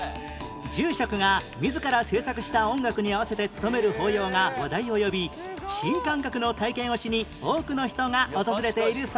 住職が自ら制作した音楽に合わせて勤める法要が話題を呼び新感覚の体験をしに多くの人が訪れているそうです